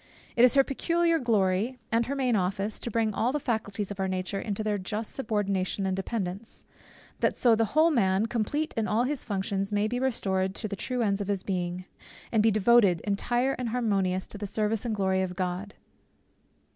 It is her peculiar glory, and her main office, to bring all the faculties of our nature into their just subordination and dependence; that so the whole man, complete in all his functions, may be restored to the true ends of his being, and be devoted, entire and harmonious, to the service and glory of God.